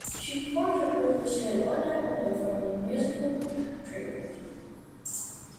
She performed her previous hit "One Night Only", from the musical "Dreamgirls".